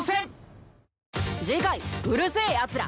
次回『うる星やつら』